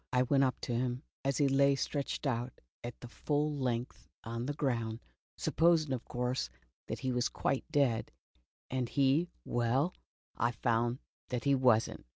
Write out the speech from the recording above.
" I went up to him as he lay stretched out at full length on the ground, supposing, of course, that he was quite dead, and he — well, I found that he was lit.